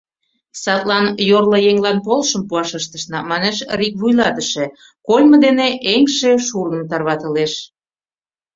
Садлан йорло еҥлан полышым пуаш ыштышна, — манеш РИК вуйлатыше, кольмо дене эҥше шурным тарватылеш.